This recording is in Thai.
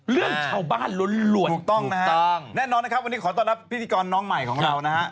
เรื่องชาวบ้านล้วนถูกต้องนะฮะถูกต้องแน่นอนนะครับวันนี้ขอต้อนรับพิธีกรน้องใหม่ของเรานะฮะ